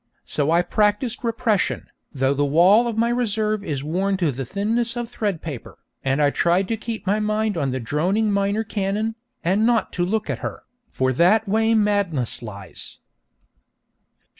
So I practised repression, though the wall of my reserve is worn to the thinness of thread paper, and I tried to keep my mind on the droning minor canon, and not to look at her, 'for that way madness lies.'